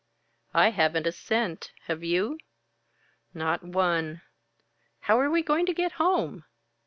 "I haven't a cent have you?" "Not one." "How are we going to get home?"